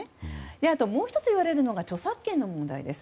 あと、もう１つ言われるのが著作権の問題です。